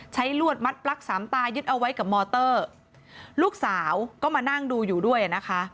ลวดมัดปลั๊กสามตายึดเอาไว้กับมอเตอร์ลูกสาวก็มานั่งดูอยู่ด้วยนะคะ